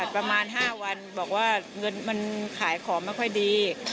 ประมาณ๕วันบอกว่าเงินมันขายของไม่ค่อยดี